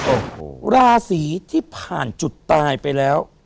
โอ้โหราศีที่ผ่านจุดตายไปแล้ว